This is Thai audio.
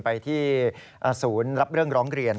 ไปที่ศูนย์รับเรื่องร้องเรียน